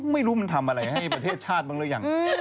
ไม่รู้สามัญทำอะไรให้ประเราปริศาจบ้างเลย